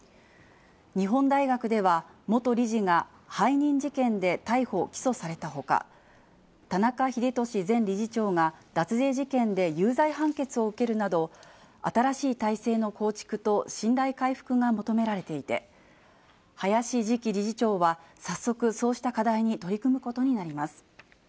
日本大学では、元理事が、背任事件で逮捕・起訴されたほか、田中英壽前理事長が脱税事件で有罪判決を受けるなど、新しい体制の構築と信頼回復が求められていて、林次期理事長は、早速、そうした課題に取り組むことになります。